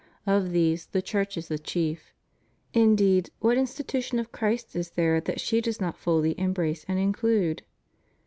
Of these the Church is the chief. Indeed, what institu tion of Christ is there that she does not fully embrace and include?